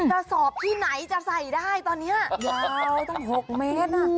กระสอบที่ไหนจะใส่ได้ตอนนี้ยาวตั้ง๖เมตร